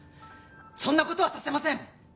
そんな事はさせません！